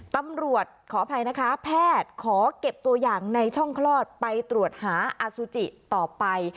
ตำรวจขออภัยนะคะแพทย์ขอเก็บตัวอย่างในช่องคลอดไปตรวจหาอสุจิต่อไป